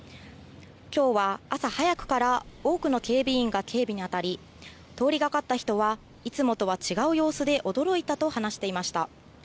きょうは朝早くから、多くの警備員が警備に当たり、通りがかった人は、いつもとは違う様子で驚いたと話していました。